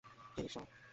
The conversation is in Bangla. হে, ঈশ্বর।